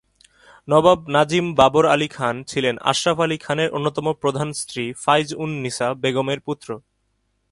নবাব নাজিম বাবর আলী খান ছিলেন আশরাফ আলী খানের অন্যতম প্রধান স্ত্রী ফাইজ-উন-নিসা বেগমের পুত্র।